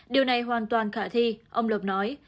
điều này hoàn toàn khả thi ông lộc nói